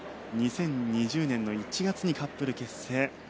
２０２０年の１月にカップル結成。